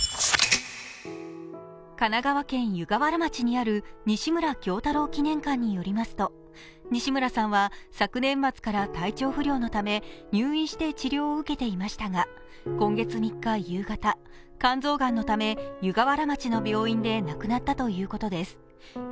神奈川県湯河原町にある西村京太郎記念館によりますと西村さんは昨年末から体調不良のため入院して治療を受けていましたが、今月３日夕方、肝臓がんのため湯河原町の病院で亡くなったということです。